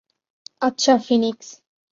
আচ্ছা, ফিনিক্স।